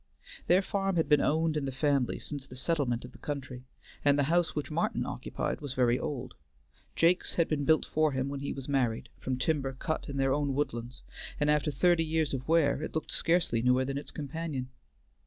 Their farm had been owned in the family since the settlement of the country, and the house which Martin occupied was very old. Jake's had been built for him when he was married, from timber cut in their own woodlands, and after thirty years of wear it looked scarcely newer than its companion.